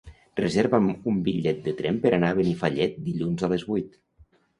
Reserva'm un bitllet de tren per anar a Benifallet dilluns a les vuit.